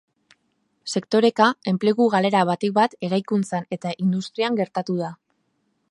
Sektoreka, enplegu galera batik bat erakuntzan eta industrian gertatu da.